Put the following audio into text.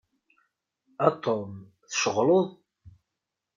A Tom, tceɣleḍ?